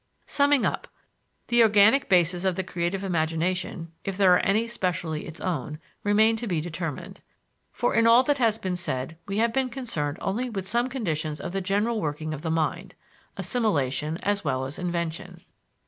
Summing up: The organic bases of the creative imagination, if there are any specially its own, remain to be determined. For in all that has been said we have been concerned only with some conditions of the general working of the mind assimilation as well as invention.